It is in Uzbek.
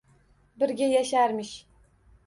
Birga yasharmish?!